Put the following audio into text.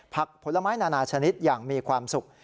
ผลไม้นานาชนิดอย่างมีความสุข